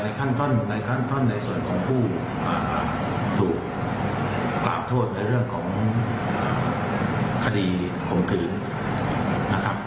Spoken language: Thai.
ในขั้นในส่วนของผู้ถูกกล่าวโทษในเรื่องของคดีข่มขืนนะครับ